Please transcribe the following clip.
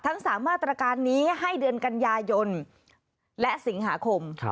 ทั้ง๓มาตรการนี้ให้เดือนกันยายนและสิงหาคม